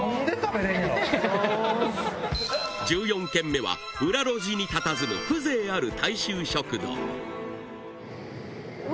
１４軒目は裏路地にたたずむ風情ある大衆食堂うわ